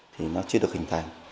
thì nó chưa được hình thành